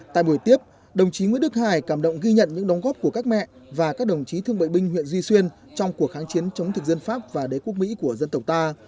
tại buổi tiếp đồng chí nguyễn đức hải cảm động ghi nhận những đóng góp của các mẹ và các đồng chí thương bệnh binh huyện duy xuyên trong cuộc kháng chiến chống thực dân pháp và đế quốc mỹ của dân tộc ta